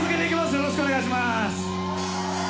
よろしくお願いします。